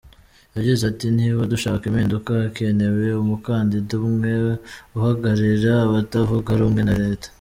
Yagize ati “Niba dushaka impinduka, hakenewe umukandida umwe uhagararira abatavuga rumwe na Leta.